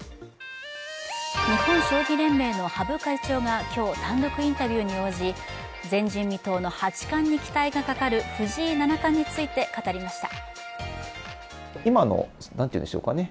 日本将棋連盟の羽生会長が今日単独インタビューに応じ前人未到の八冠に期待がかかる藤井七冠について語りました。